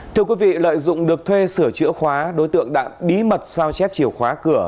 thưa quý vị lợi dụng được thuê sửa chữa khóa đối tượng đã bí mật sao chép chìa khóa cửa